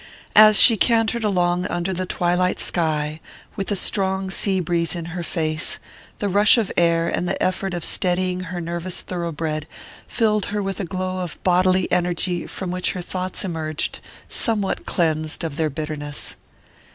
As she cantered along under the twilight sky, with a strong sea breeze in her face, the rush of air and the effort of steadying her nervous thoroughbred filled her with a glow of bodily energy from which her thoughts emerged somewhat cleansed of their bitterness.